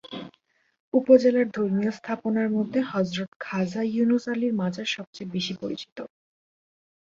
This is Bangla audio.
উপজেলার ধর্মীয় স্থাপনার মধ্যে হযরত খাজা ইউনুস আলীর মাজার সবচেয়ে বেশি পরিচিত।